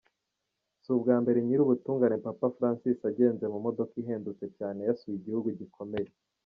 Si ubwa mbere Nyirubutungane Papa Francis agenze mu modoka ihendutse cyane yasuye igihugu gikomeye.